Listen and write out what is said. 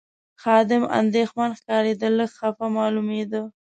خادم اندېښمن ښکارېد، لږ خپه معلومېده.